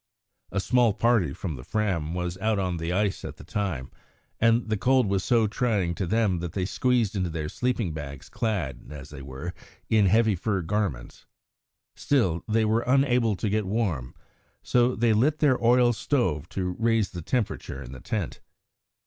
A small party from the Fram was out on the ice at the time, and the cold was so trying to them that they squeezed into their sleeping bags clad, as they were, in heavy fur garments. Still they were unable to get warm, so they lit their oil stove to raise the temperature in the tent.